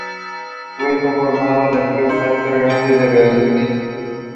This time it was able to take place the following day.